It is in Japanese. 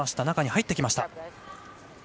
中に入ってきました。